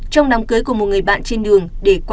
trong đám cưới của một người bạn trên đường